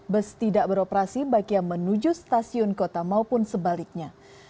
bus tidak beroperasi baik yang menuju stasiun kota maupun sebaliknya